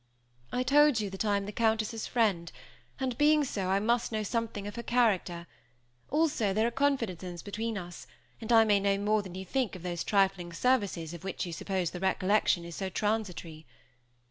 "I told you that I am the Countess's friend, and being so I must know something of her character; also, there are confidences between us, and I may know more than you think of those trifling services of which you suppose the recollection is so transitory."